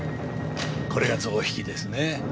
これが象引ですね。